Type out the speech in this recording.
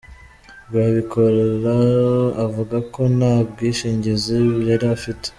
Rwabikoro avuga ko nta bwishingizi yari afite.